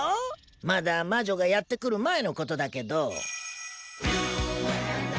まだ魔女がやって来る前の事だけど。